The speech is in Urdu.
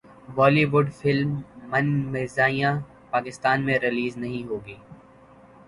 بولی would film Manmarziyaan Pakistan میں ریلیز نہیں ہوگی